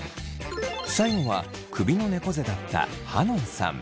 最後は首のねこ背だったはのんさん。